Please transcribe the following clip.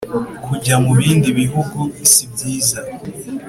kujya mu bindi bihugu sibyiza